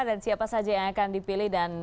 dan siapa saja yang akan dipilih dan